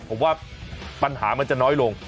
ผมว่าปัญหามันจะน้อยลง